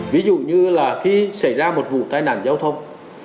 ví dụ như là khi xảy ra một vụ tai nạn giao thông